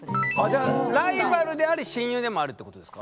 じゃあライバルであり親友でもあるってことですか？